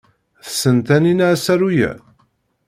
Tessen Taninna asaru-a?